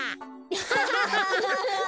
ハハハハ。